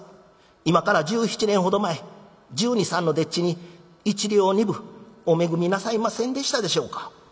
今から十七年ほど前十二十三の丁稚に一両二分お恵みなさいませんでしたでしょうか？」。